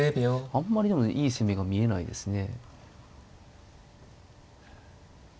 あんまりでもねいい攻めが見えないですね。